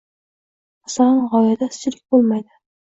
Masalan, g‘oyada izchillik bo‘lmaydi.